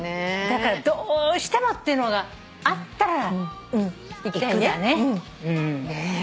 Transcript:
だからどうしてもっていうのがあったら行く。ねぇ。